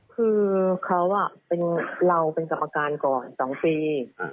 คือเขาเราเป็นกรรมการก่อน๒ปี